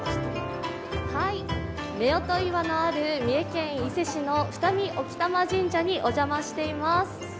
夫婦岩のある三重県伊勢市の二見興玉神社にお邪魔しています。